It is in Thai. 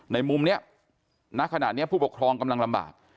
ในมุมนี้ณขณะนี้ผู้ปกครองกำลังลำบาก